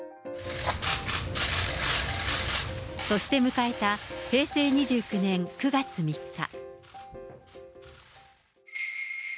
そして迎えた平成２９年９月３日。